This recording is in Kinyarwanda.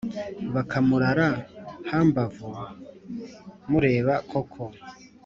bakamurara hambavu muerba koko